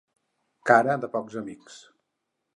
Cara de pocs amics.